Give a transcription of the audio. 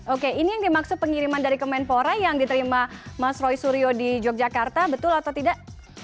oke ini yang dimaksud pengiriman dari kemenpora yang diterima mas roy suryo di yogyakarta betul atau tidak